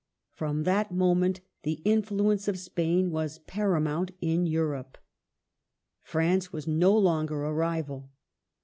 From that moment the influence of Spain was paramount in Europe ; France was no longer a rival.